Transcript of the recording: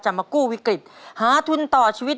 มากู้วิกฤตหาทุนต่อชีวิต